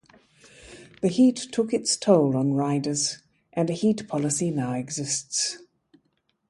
The heat took its toll on riders and a heat policy now exists.